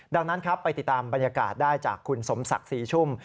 ดังนั้นครับไปติดตามบรรยากาศได้จากคุณสมศักดิ์ศรีชุ่ม